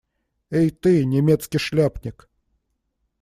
Эй ты, немецкий шляпник!